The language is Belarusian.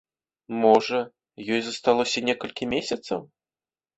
Можа, ёй засталося некалькі месяцаў?